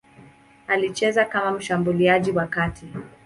Alicheza kama mshambuliaji wa kati.